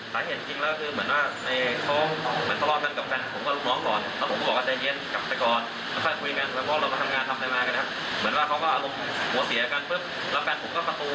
สาเหตุจริงแล้วก็คือเหมือนว่าเข้ารอกันกับแฟนของผม